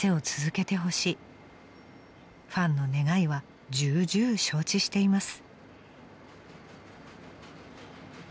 ［ファンの願いは重々承知しています］